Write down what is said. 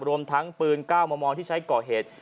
รวมทั้งปืน๙มมที่ใช้ก่อเหตุ